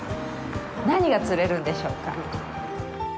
何が釣れるんでしょうか。